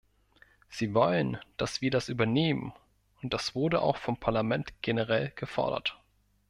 Sie wollen, dass wir das übernehmen, und das wurde auch vom Parlament generell gefordert.